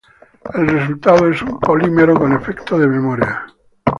El resultado es un polímero con efecto de memoria.